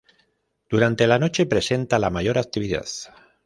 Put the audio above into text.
Durante la noche presenta la mayor actividad.